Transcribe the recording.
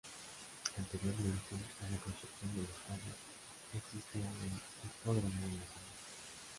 Anteriormente a la construcción del estadio ya existía un hipódromo en la zona.